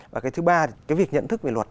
và thứ ba là việc nhận thức về luật